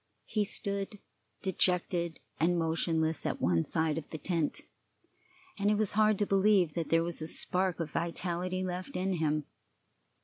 He stood dejected and motionless at one side of the tent, and it was hard to believe that there was a spark of vitality left in him.